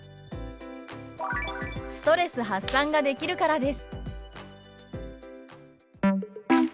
「ストレス発散ができるからです」。